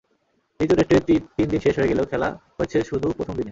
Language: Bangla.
দ্বিতীয় টেস্টের তিন দিন শেষ হয়ে গেলেও খেলা হয়েছে শুধু প্রথম দিনে।